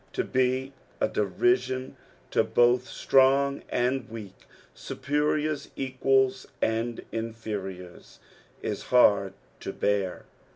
To be a derision to both strong and weak, superiors, equals, and inferiors, is hard to bear.